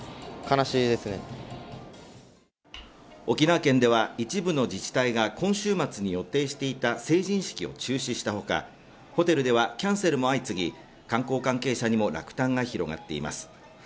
沖縄県では一部の自治体が今週末に予定していた成人式を中止したほかホテルではキャンセルも相次ぎ観光関係者にも落胆が広がっています